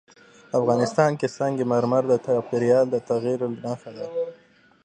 افغانستان کې سنگ مرمر د چاپېریال د تغیر نښه ده.